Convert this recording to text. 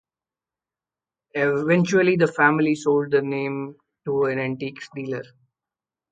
Eventually the family sold the name to an antiques dealer.